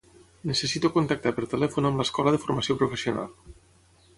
Necessito contactar per telèfon amb l'escola de formació professional.